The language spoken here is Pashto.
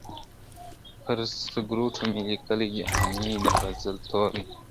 پر سکروټو مي لیکلي جهاني د غزل توري ,